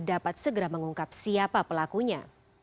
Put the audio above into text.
dapat segera mengungkap siapa pelakunya